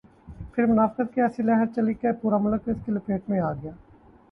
پھر منافقت کی ایسی لہر چلی کہ پورا ملک اس کی لپیٹ میں آ گیا۔